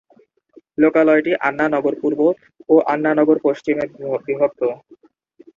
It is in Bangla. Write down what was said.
লোকালয়টি আন্না নগর পূর্ব ও আন্না নগর পশ্চিমে বিভক্ত।